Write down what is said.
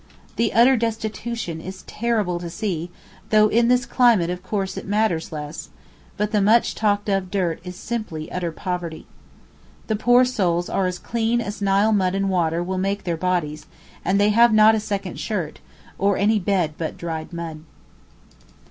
The utter destitution is terrible to see, though in this climate of course it matters less, but the much talked of dirt is simply utter poverty. The poor souls are as clean as Nile mud and water will make their bodies, and they have not a second shirt, or any bed but dried mud.